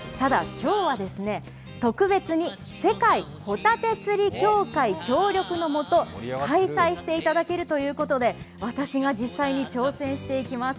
ただ、今日は特別に世界ホタテ釣り協会協力のもと開催していただけるということで私が実際に挑戦していきます。